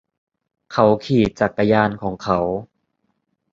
เขาขี่จักรยานของเขา